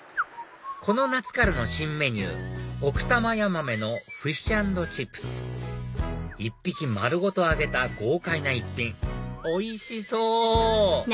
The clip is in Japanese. この夏からの新メニュー奥多摩ヤマメのフィッシュ＆チップス１匹丸ごと揚げた豪快な一品おいしそう！